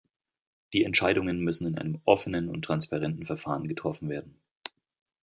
Die Entscheidungen müssen in einem offenen und transparenten Verfahren getroffen werden.